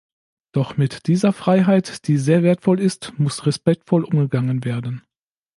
Doch mit dieser Freiheit, die sehr wertvoll ist, muss respektvoll umgegangen werden.